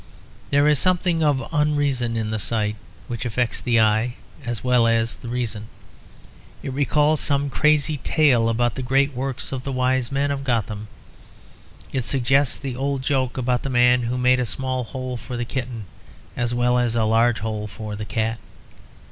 There is something of unreason in the sight which affects the eye as well as the reason. It recalls some crazy tale about the great works of the Wise Men of Gotham. It suggests the old joke about the man who made a small hole for the kitten as well as a large hole for the cat.